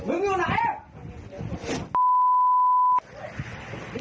มึงอยู่ไหน